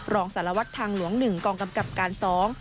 รองสารวัตรทางหลวงหนึ่งกองกำกับการสอง